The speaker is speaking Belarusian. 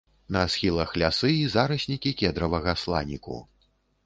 На схілах лясы і зараснікі кедравага сланіку.